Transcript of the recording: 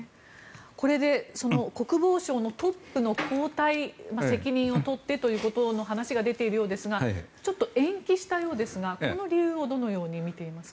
これで国防省のトップの交代責任を取ってということの話が出ているようですがちょっと延期したようですがこの理由をどのように見ていますか？